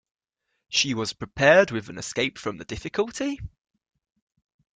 She was prepared with an escape from the difficulty?